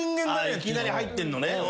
いきなり入ってんのね。